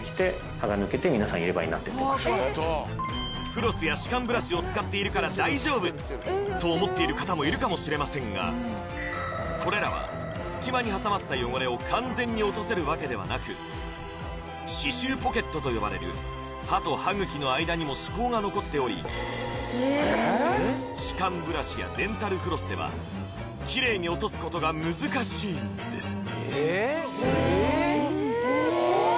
フロスや歯間ブラシを使っているから大丈夫と思っている方もいるかもしれませんがこれらは隙間に挟まった汚れを完全に落とせるわけではなく歯周ポケットと呼ばれる歯と歯茎の間にも歯垢が残っており歯間ブラシやデンタルフロスではキレイに落とすことが難しいんです